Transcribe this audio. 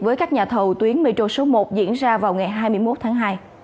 với các nhà thầu tuyến metro số một diễn ra vào ngày hai mươi một tháng hai